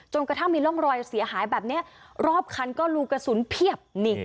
กระทั่งมีร่องรอยเสียหายแบบนี้รอบคันก็รูกระสุนเพียบ